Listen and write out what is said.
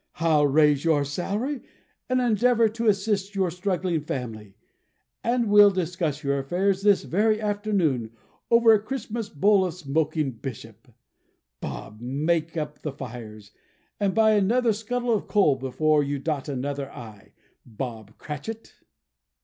I'll raise your salary, and endeavour to assist your struggling family, and we'll discuss your affairs this very afternoon, over a Christmas bowl of smoking bishop. Bob! Make up the fires, and buy another scuttle of coal before you dot another i, Bob Cratchit!"